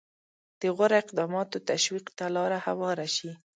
د غوره اقداماتو تشویق ته لاره هواره شي.